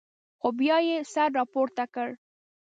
خو بیا یې سر راپورته کړ.